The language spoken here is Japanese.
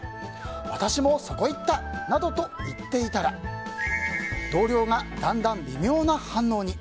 私もそこ行った！などと言っていたら同僚がだんだん微妙な反応に。